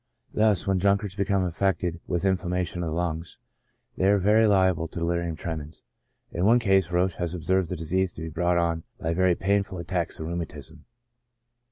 Thus, when drunkards become affected with inflammation of the lungs, they are very liable to delirium tremens." In one case, Roesch has observed the disease to be brought on by very painful attacks of rheumatism.